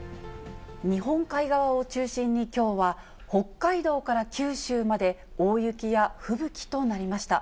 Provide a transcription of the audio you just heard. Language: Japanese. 日本海側を中心にきょうは、北海道から九州まで大雪や吹雪となりました。